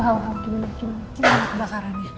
alhamdulillah gimana kebakarannya